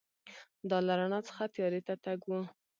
دا له رڼا څخه تیارې ته تګ و.